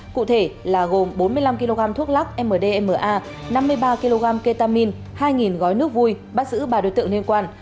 cụ thể là gồm bốn mươi năm kg thuốc lắc mdma năm mươi ba kg ketamine hai gói nước vui bắt giữ ba đối tượng liên quan